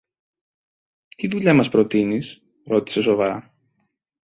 Τι δουλειά μας προτείνεις; ρώτησε σοβαρά.